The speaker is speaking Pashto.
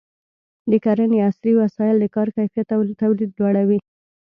د کرنې عصري وسایل د کار کیفیت او تولید لوړوي.